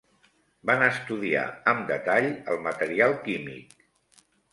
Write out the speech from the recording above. Van estudiar amb detall el material químic.